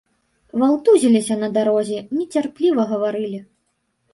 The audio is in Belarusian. Валтузіліся на дарозе, нецярпліва гаварылі.